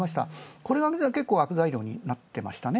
これが結構悪材料になってましたね。